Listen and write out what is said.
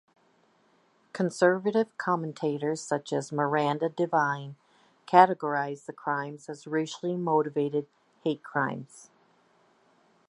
Conservative commentators such as Miranda Devine categorised the crimes as racially motivated hate crimes.